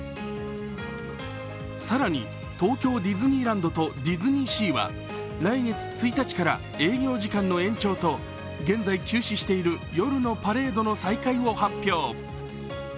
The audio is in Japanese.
更に東京ディズニーランドとディズニーシーは来月１日から営業時間の延長と現在休止している夜のパレードの再開を発表。